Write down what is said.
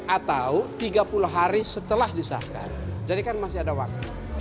atau tiga puluh hari setelah disahkan jadi kan masih ada waktu